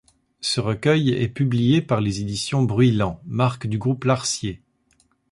Ce recueil est publié par les Éditions Bruylant, marque du Groupe Larcier.